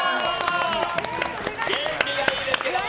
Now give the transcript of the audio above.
元気がいいですけども。